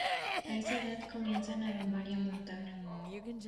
A esa edad se los comienza a domar y a montar.